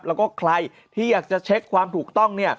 แล้วก็ใครที่อยากจะเช็คความถูกต้องเนี่ย